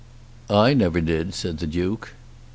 "I never did," said the Duke.